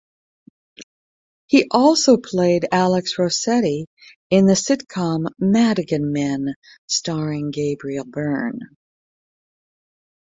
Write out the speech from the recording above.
He also played Alex Rosetti in the sitcom "Madigan Men", starring Gabriel Byrne.